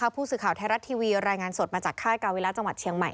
ผู้สื่อข่าวไทยรัฐทีวีรายงานสดมาจากค่ายกาวิระจังหวัดเชียงใหม่